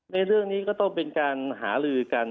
ในเรื่องนี้ก็ต้องเป็นการหาลือกัน